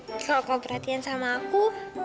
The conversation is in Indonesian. kalo kau perhatian sama aku